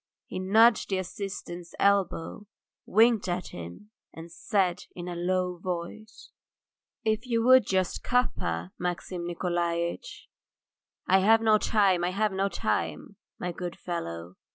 He nudged the assistant's elbow, winked at him, and said in a low voice: "If you would just cup her, Maxim Nikolaitch." "I have no time, I have no time, my good fellow.